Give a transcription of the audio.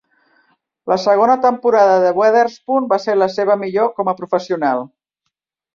La segona temporada de Weatherspoon va ser la seva millor com a professional.